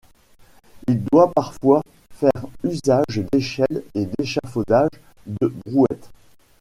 Il doit parfois faire usage d'échelles et d'échafaudages de brouettes.